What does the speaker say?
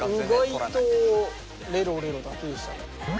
うがいとレロレロだけでしたね。